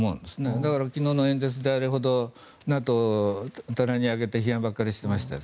だから、昨日の演説であれほどＮＡＴＯを棚に上げて批判していましたよね。